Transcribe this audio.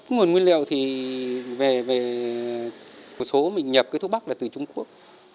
nguồn nguyên liệu thì về một số mình nhập cái thuốc bắc là từ trung quốc